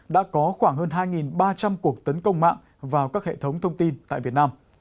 đã có khoảng hơn hai ba trăm linh cuộc tấn công mạng vào các hệ thống thông tin tại việt nam